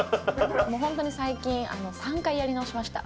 本当に最近、３回やり直しました。